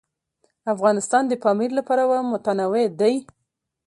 افغانستان د پامیر له پلوه متنوع دی.